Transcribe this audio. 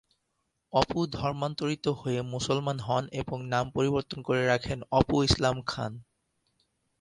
অপু ধর্মান্তরিত হয়ে মুসলমান হন এবং নাম পরিবর্তন করে রাখেন অপু ইসলাম খান।